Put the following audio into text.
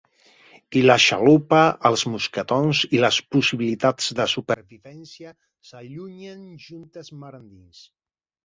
I la xalupa, els mosquetons i les possibilitats de supervivència s'allunyen juntes mar endins.